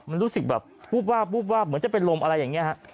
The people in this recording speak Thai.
มันรู้สึกแบบปุ๊บว่าปุ๊บว่าเหมือนจะเป็นลมอะไรอย่างเงี้ยฮะ